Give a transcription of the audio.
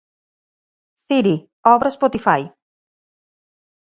Siri, obre Spotify.